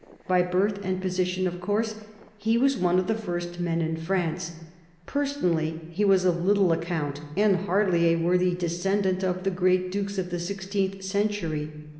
By birth and position, of course, he was one of the first men in France; personally he was of little account, and hardly a worthy descendant of the great Dukes of the sixteenth century.